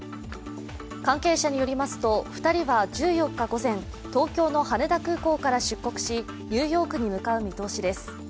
関係者によりますと、２人は１４日午前、東京の羽田空港から出国しニューヨークに向かう見通しです。